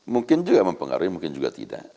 mungkin juga mempengaruhi mungkin juga tidak